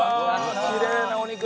きれいなお肉だ！